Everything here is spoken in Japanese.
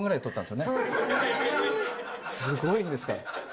すごいんですから。